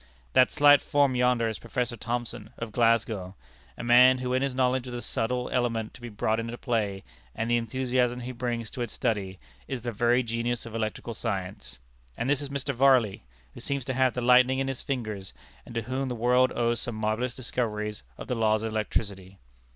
That slight form yonder is Professor Thomson, of Glasgow, a man who in his knowledge of the subtle element to be brought into play, and the enthusiasm he brings to its study, is the very genius of electrical science; and this is Mr. Varley, who seems to have the lightning in his fingers, and to whom the world owes some marvellous discoveries of the laws of electricity.